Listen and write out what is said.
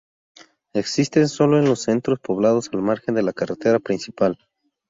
Existen solo en los centros poblados al margen de la carretera principal.